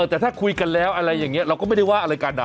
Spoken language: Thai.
แต่ถ้าคุยกันแล้วอะไรอย่างนี้เราก็ไม่ได้ว่าอะไรกัน